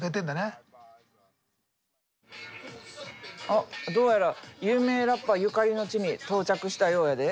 おっどうやら有名ラッパーゆかりの地に到着したようやで。